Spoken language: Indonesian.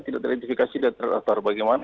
tidak teridentifikasi dan teratar bagaimana